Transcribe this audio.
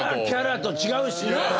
キャラと違うしな。